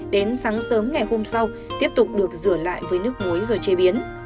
đến sáng sớm ngày hôm sau tiếp tục được rửa lại với nước muối rồi chế biến